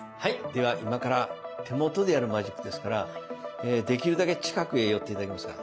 では今から手元でやるマジックですからできるだけ近くへ寄っていただけますか？